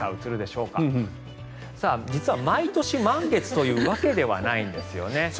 実は毎年、満月というわけではないんですよね。